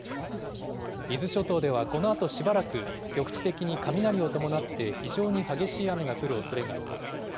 伊豆諸島ではこのあとしばらく局地的に雷を伴って、非常に激しい雨が降るおそれがあります。